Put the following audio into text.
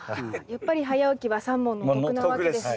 やっぱり早起きは三文の徳なわけですね。